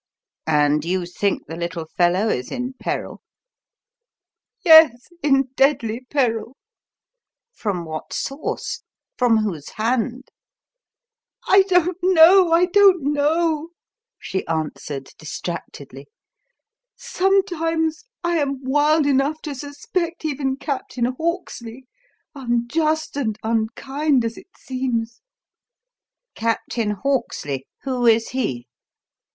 "And you think the little fellow is in peril?" "Yes in deadly peril." "From what source? From whose hand?" "I don't know I don't know!" she answered, distractedly. "Sometimes I am wild enough to suspect even Captain Hawksley, unjust and unkind as it seems." "Captain Hawksley? Who is he?"